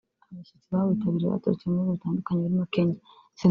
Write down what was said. Abashyitsi bawitabiriye baturutse mu bihugu bitandukanye birimo Kenya